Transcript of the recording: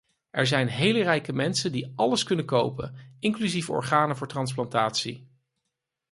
Er zijn hele rijke mensen die alles kunnen kopen, inclusief organen voor transplantatie.